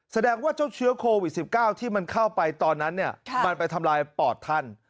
แสดงว่าเจ้าเชื้อโควิด๑๙ที่มันเข้าไปตอนนั้นมันไปทำลายปอดท่าน